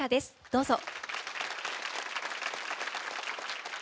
どうぞ。